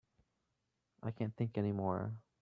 I can't think any more.